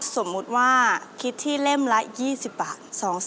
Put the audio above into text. สมมุติว่าคิดที่เล่มละ๒๐บาท